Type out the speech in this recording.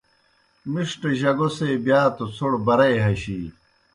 مِݜٹہ جگو سے بِیا توْ څھوڑ برئی ہشی